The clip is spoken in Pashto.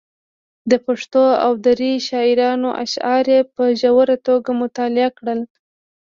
د پښتو او دري شاعرانو اشعار یې په ژوره توګه مطالعه کړل.